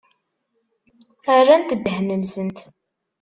Rrant ddehn-nsent.